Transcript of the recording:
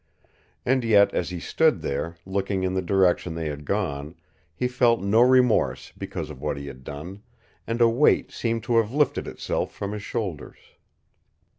And yet as he stood there, looking in the direction they had gone, he felt no remorse because of what he had done, and a weight seemed to have lifted itself from his shoulders.